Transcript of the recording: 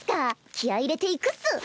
気合い入れていくっス。